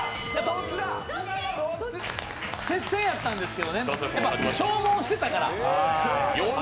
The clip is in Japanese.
接戦やったんですけどね、消耗してたから。